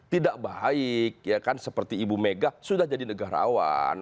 tidak baik seperti ibu mega sudah jadi negarawan